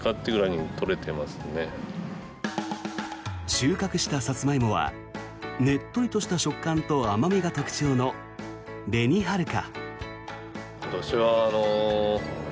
収穫したサツマイモはねっとりとした食感と甘味が特徴の紅はるか。